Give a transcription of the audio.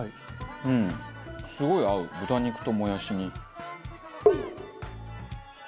うんすごい合う豚肉ともやしに。